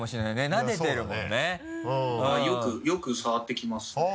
よく触ってきますね。